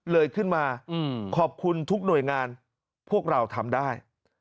เลยขึ้นมาขอบคุณทุกหน่วยงานพวกเราทำได้